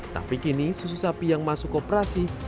tapi kini susu sapi yang masuk koperasi serba usaha cigugur